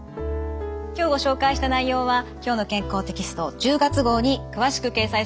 今日ご紹介した内容は「きょうの健康」テキスト１０月号に詳しく掲載されています。